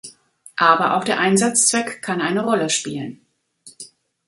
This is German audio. Aber auch der Einsatzzweck kann eine Rolle spielen.